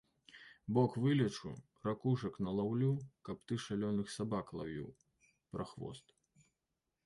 Бок вылечу, ракушак налаўлю, каб ты шалёных сабак лавіў, прахвост.